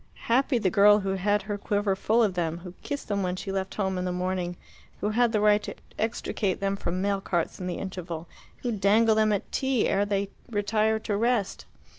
Happy the girl who had her quiver full of them, who kissed them when she left home in the morning, who had the right to extricate them from mail carts in the interval, who dangled them at tea ere they retired to rest!